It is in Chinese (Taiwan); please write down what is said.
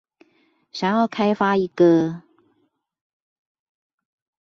想要開發一個